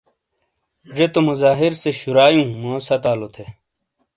جے تو مظاہر سے شُرائیوں موس ہتھالو تھے۔